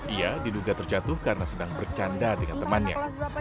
ia diduga terjatuh karena sedang bercanda dengan temannya